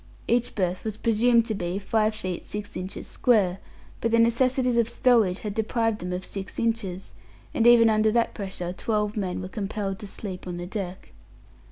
Each berth was presumed to be five feet six inches square, but the necessities of stowage had deprived them of six inches, and even under that pressure twelve men were compelled to sleep on the deck.